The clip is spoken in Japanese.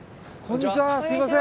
こんにちは！